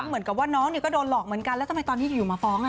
เหมือนกับว่าน้องเนี่ยก็โดนหลอกเหมือนกันแล้วทำไมตอนนี้อยู่มาฟ้อง